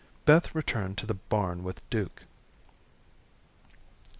Beth returned to the barn with Duke.